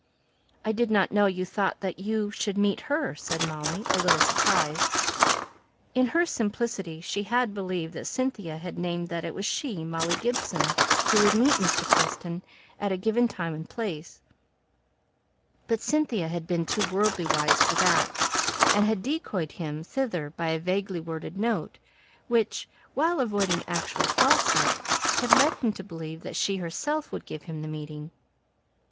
"I did not know you thought that you should meet her," said Molly, a little surprised. In her simplicity she had believed that Cynthia had named that it was she, Molly Gibson, who would meet Mr. Preston at a given time and place; but Cynthia had been too worldly wise for that, and had decoyed him thither by a vaguely worded note, which, while avoiding actual falsehood, had led him to believe that she herself would give him the meeting.